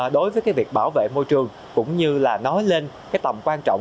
đối với việc bảo vệ môi trường cũng như là nói lên tầm quan trọng